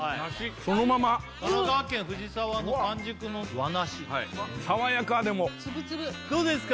神奈川県藤沢の完熟の和梨さわやかでもつぶつぶどうですか